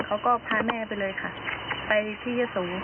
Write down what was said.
เขาก็พาแม่ไปเลยค่ะไปที่ยะโส